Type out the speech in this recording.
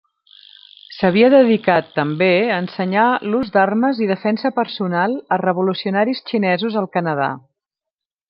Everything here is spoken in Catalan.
S'havia dedicat, també, a ensenyar l'ús d'armes i defensa personal a revolucionaris xinesos al Canadà.